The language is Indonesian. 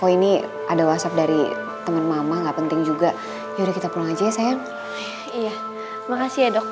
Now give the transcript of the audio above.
oh ini ada whatsapp dari teman mama nggak penting juga yaudah kita pulang aja ya saya iya makasih ya dok